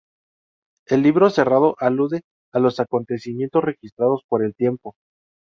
El libro cerrado alude a los acontecimientos registrados por el tiempo.